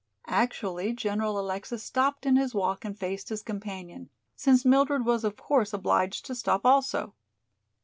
Actually General Alexis stopped in his walk and faced his companion, since Mildred was, of course, obliged to stop also.